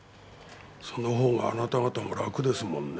その方があなた方もラクですもんね。